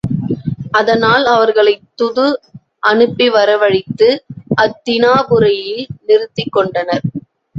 அதனால் அவர்களைத் துது அனுப்பி வரவழைத்து அத்தினாபுரியில் நிறுத்திக் கொண்டனர்.